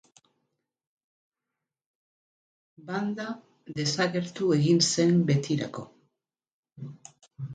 Banda desagertu egin zen betirako.